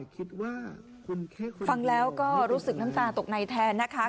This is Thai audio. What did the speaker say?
คิดว่าฟังแล้วก็รู้สึกน้ำตาตกในแทนนะคะ